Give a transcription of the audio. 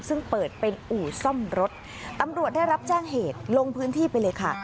ซึ่งเปิดเป็นอู่ซ่อมรถตำรวจได้รับแจ้งเหตุลงพื้นที่ไปเลยค่ะ